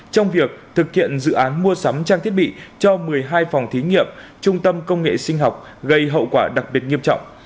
trong việc thực hiện dự án mua sắm trang thiết bị cho một mươi hai phòng thí nghiệm trung tâm công nghệ sinh học gây hậu quả đặc biệt nghiêm trọng